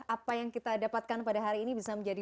apa yang kita dapatkan pada hari ini bisa menjadi